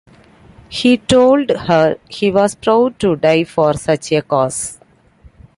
He told her he was proud to die for such a cause.